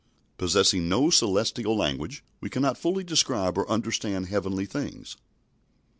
Possessing no celestial language, we cannot fully describe or understand heavenly things.